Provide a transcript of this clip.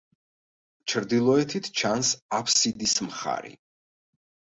ჩრდილოეთით ჩანს აბსიდის მხარი.